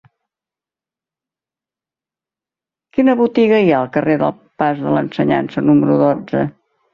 Quina botiga hi ha al carrer del Pas de l'Ensenyança número dotze?